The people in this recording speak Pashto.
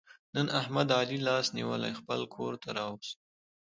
نن احمد علي لاس نیولی خپل کورته را وست.